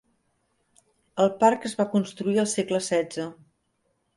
El parc es va construir el segle XVI.